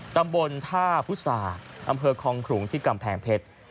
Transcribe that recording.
ตำบลท่าพุษาอำเภอคองขลุงที่กำแพงเพชร